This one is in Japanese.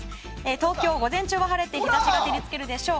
東京、午前中は晴れて日差しが照り付けるでしょう。